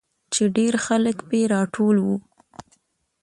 چې ډېرخلک پې راټول وو.